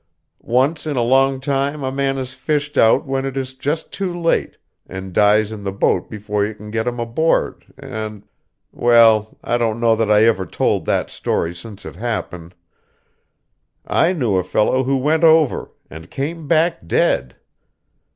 Once in a long time a man is fished out when it is just too late, and dies in the boat before you can get him aboard, and well, I don't know that I ever told that story since it happened I knew a fellow who went over, and came back dead.